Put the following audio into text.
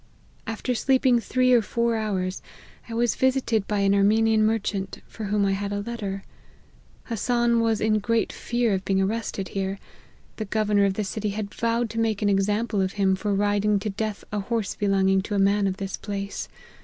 After sleeping three or four hours, I was visited by an Armenian mer chant, for whom I had a letter. Hassan was in great fear of being arrested here ; the governor of the city had vowed to make an example of him 188 LIFE OF HENRY MARTYN. for riding to death a horse belonging to a man of this place.